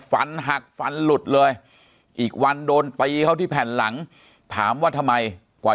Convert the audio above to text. ฟันหักฟันหลุดเลยอีกวันโดนตีเขาที่แผ่นหลังถามว่าทำไมกว่า